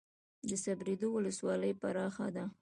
د صبریو ولسوالۍ پراخه ده